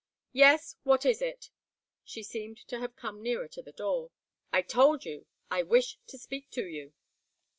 "Yes what is it?" She seemed to have come nearer to the door. "I told you. I wish to speak to you."